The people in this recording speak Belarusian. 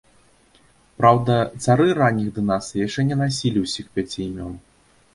Праўда, цары ранніх дынастый яшчэ не насілі ўсіх пяці імён.